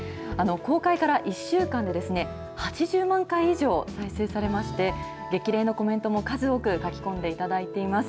公開から１週間で、８０万回以上再生されまして、激励のコメントも数多く書き込んでいただいています。